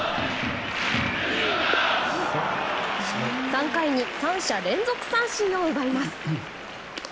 ３回に３者連続三振を奪います。